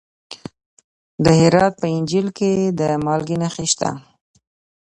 د هرات په انجیل کې د مالګې نښې شته.